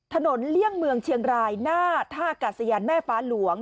เลี่ยงเมืองเชียงรายหน้าท่ากาศยานแม่ฟ้าหลวง